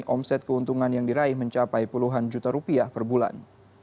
omset keuntungan yang diraih mencapai puluhan juta rupiah per bulan